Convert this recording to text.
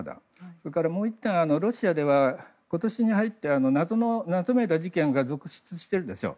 それから、もう１点ロシアでは今年に入って謎めいた事件が続出しているんですよ。